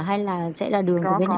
hay là sẽ là đường của bên này